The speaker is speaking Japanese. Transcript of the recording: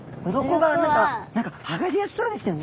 鱗が何か剥がれやすそうでしたよね。